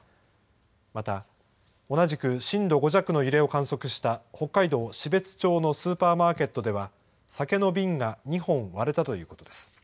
また、同じく震度５弱の揺れを観測した、北海道標津町のスーパーマーケットでは、酒の瓶が２本割れたということです。